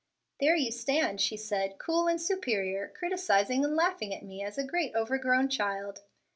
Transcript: "There you stand," she said, "cool and superior, criticising and laughing at me as a great overgrown child."